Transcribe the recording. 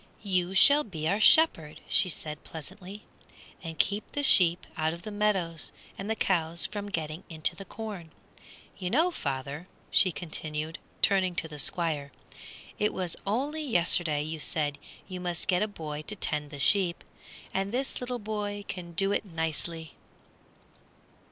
"You shall be our shepherd," she said, pleasantly, "and keep the sheep out of the meadows and the cows from getting into the corn. You know, father," she continued, turning to the Squire, "it was only yesterday you said you must get a boy to tend the sheep, and this little boy can do it nicely."